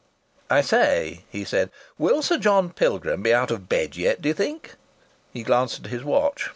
"I say," he said. "Will Sir John Pilgrim be out of bed yet, d'ye think?" He glanced at his watch.